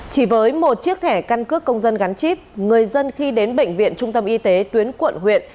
chỉ với một chiếc thẻ căn cước công dân gắn chip người dân khi đến bệnh viện trung tâm y tế tuyến quận huyện